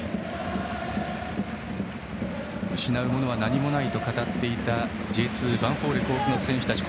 失うものは何もないと語っていたＪ２ヴァンフォーレ甲府の選手たち